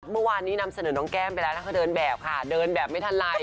เมื่อวานนี้นำเสนอน้องแก้มไปแล้วนะเขาเดินแบบค่ะเดินแบบไม่ทันไร